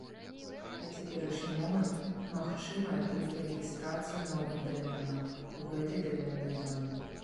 На цяперашні момант магчымая толькі рэгістрацыя новых даменаў у гэтай даменнай зоне.